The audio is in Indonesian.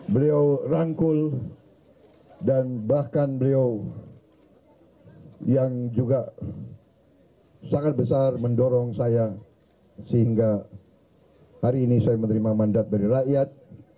beliau telah berjaya menerima mandat dari rakyat